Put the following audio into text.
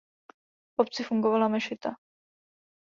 V obci fungovala mešita.